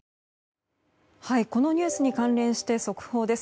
このニュースに関連して速報です。